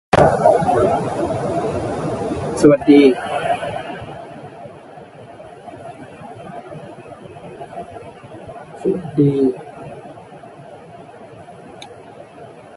It's cheaper than buying a lunch at work.